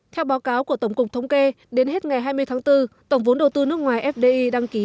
theo báo cáo của tổng cục thống kê đến hết ngày hai mươi tháng bốn tổng vốn đầu tư nước ngoài fdi đăng ký